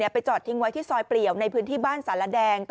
ไปจอดทิ้งไว้ที่ซอยเปลี่ยวในพื้นที่บ้านสารแดง